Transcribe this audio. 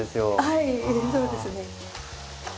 はいそうですね。